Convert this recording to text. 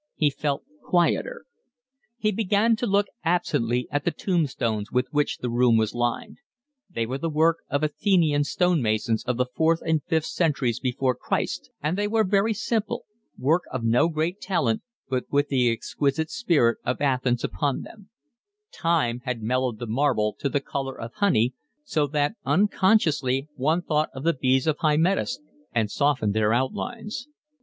He felt quieter. He began to look absently at the tombstones with which the room was lined. They were the work of Athenian stone masons of the fourth and fifth centuries before Christ, and they were very simple, work of no great talent but with the exquisite spirit of Athens upon them; time had mellowed the marble to the colour of honey, so that unconsciously one thought of the bees of Hymettus, and softened their outlines.